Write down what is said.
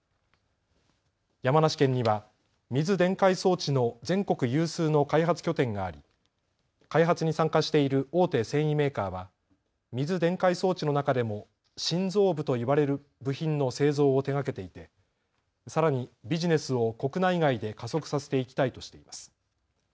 山梨県には水電解装置の全国有数の開発拠点があり開発に参加している大手繊維メーカーは水電解装置の中でも心臓部と言われる部品の製造を手がけていてさらにビジネスを国内外で加速させていきたいとしています。